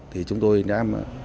thì chúng tôi đã